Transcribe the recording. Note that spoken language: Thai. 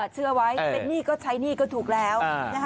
เชื่อไว้เป็นหนี้ก็ใช้หนี้ก็ถูกแล้ว